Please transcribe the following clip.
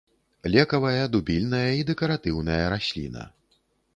Лекавая, дубільная і дэкаратыўная расліна.